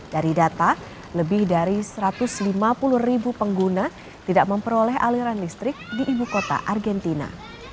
dari data lebih dari satu ratus lima puluh ribu pengguna tidak memperoleh aliran listrik di ibu kota argentina